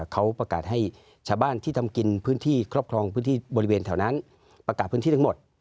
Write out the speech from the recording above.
เขาประกาศให้ชาวบ้านที่ทำกินพื้นที่ครอบครองพื้นที่บริเวณแถวนั้นประกาศพื้นที่ทั้งหมด